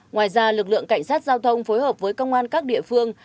ngoài ra lực lượng cảnh sát giao thông phối hợp với công an các địa phương